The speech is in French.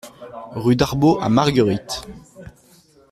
Rue d'Arbaud à Marguerittes